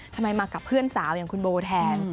ทำไมมากับเพื่อนสาวอย่างคุณโบแทน